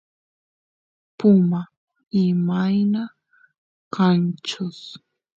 puma imayna kanchus